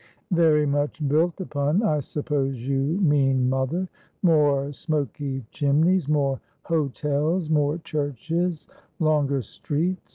' Yery much built upon, I suppose you mean, mother. More 17G Asphodel. smoky chimneys, more hotels, more churches, longer streets.